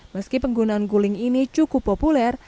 meski penggunaan guling ini cukup populer